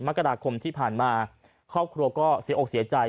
มกราคมที่ผ่านมาครอบครัวก็เสียอกเสียใจ